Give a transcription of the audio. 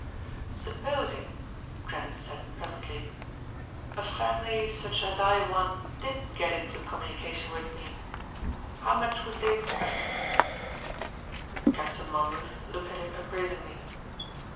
"Supposing," Trent said presently, "a family such as I want did get into communication with me, how much would they expect?" Captain Monmouth looked at him appraisingly.